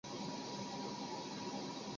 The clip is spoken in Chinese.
在伟大卫国战争期间该馆仍全力工作。